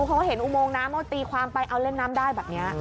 เขาเห็นอุโมงน้ำเขาตีความไปเอาเล่นน้ำได้แบบนี้